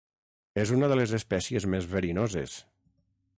És una de les espècies més verinoses.